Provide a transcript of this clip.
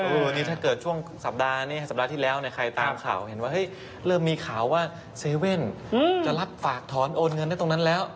อันนี้ถ้าเกิดช่วงสัปดาห์ที่แล้วใครตามข่าวเห็นว่าเริ่มมีข่าวว่า๗๑๑จะรับฝากถอนโอนเงินได้ตรงนั้นแล้ว